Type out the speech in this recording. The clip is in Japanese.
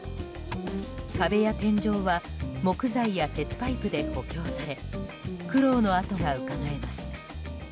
壁や天井は木材や鉄パイプで補強され苦労のあとがうかがえます。